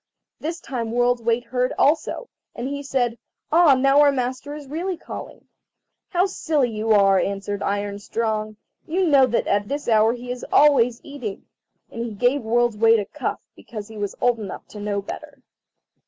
This time World's weight heard also, and he said, "Ah, now our master is really calling." "How silly you are!" answered Iron strong; "you know that at this hour he is always eating." And he gave World's weight a cuff, because he was old enough to know better.